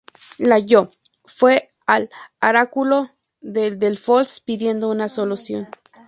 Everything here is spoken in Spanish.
Layo fue al oráculo de Delfos pidiendo una solución.